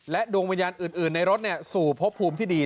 ดวงวิญญาณอื่นในรถสู่พบภูมิที่ดี